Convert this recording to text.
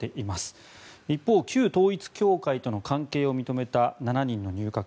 一方旧統一教会との関係を認めた７人の入閣